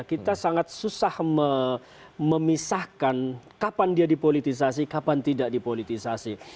kita sangat susah memisahkan kapan dia dipolitisasi kapan tidak dipolitisasi